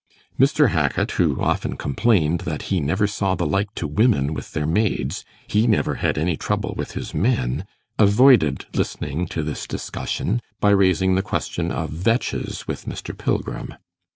Mr. Hackit, who often complained that he 'never saw the like to women with their maids he never had any trouble with his men', avoided listening to this discussion, by raising the question of vetches with Mr. Pilgrim.